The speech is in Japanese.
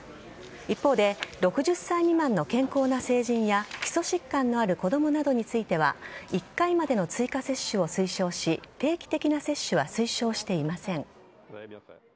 一方で６０歳未満の健康な成人や基礎疾患のある子供などについては１回までの追加接種を推奨し定期的な接種は推奨していません。